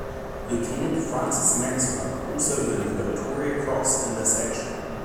Lieutenant Francis Maxwell also earned the Victoria Cross in this action.